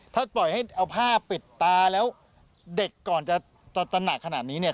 ถ้าปล่อยให้เอาผ้าปิดตาแล้วเด็กก่อนจะตระหนักขนาดนี้เนี่ย